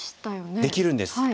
できるんです。